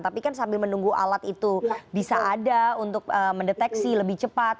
tapi kan sambil menunggu alat itu bisa ada untuk mendeteksi lebih cepat